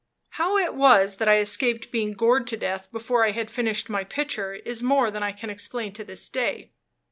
How it was that I escaped being gored to death before I had finished my picture is more than I can explain to this day.